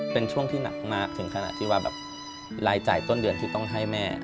เป็นช่วงที่หนักมากถึงขนาดที่ว่าแบบรายจ่ายต้นเดือนที่ต้องให้แม่